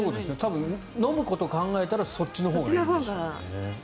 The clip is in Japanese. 多分飲むことを考えたらそっちのほうがいいんでしょうね。